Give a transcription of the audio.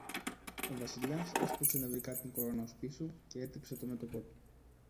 Ο Βασιλιάς έσπρωξε νευρικά την κορώνα ως πίσω κι έτριψε το μέτωπο του